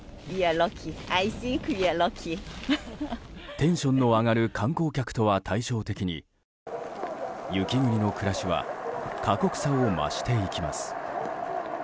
テンションの上がる観光客とは対照的に雪国の暮らしは過酷さを増していきます。